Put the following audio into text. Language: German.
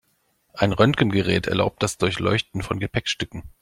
Ein Röntgengerät erlaubt das Durchleuchten von Gepäckstücken.